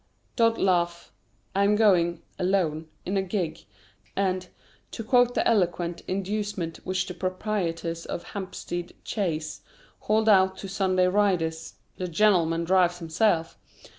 Don't laugh. I am going (alone) in a gig; and, to quote the eloquent inducement which the proprietors of Hampstead chays hold out to Sunday riders "the gen'l'm'n drives himself."